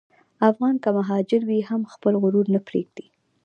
افغان که مهاجر وي، هم خپل غرور نه پرېږدي.